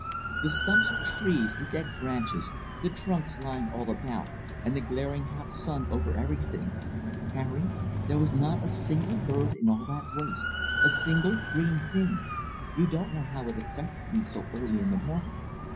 The stumps of trees, the dead branches, the trunks lying all about, and the glaring hot sun over everything! Harry, there was not a single bird in all that waste, a single green thing. You don't know how it affected me so early in the morning.